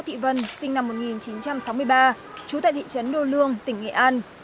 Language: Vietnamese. thị vân sinh năm một nghìn chín trăm sáu mươi ba trú tại thị trấn đô lương tỉnh nghệ an